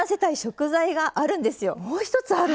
もう一つある？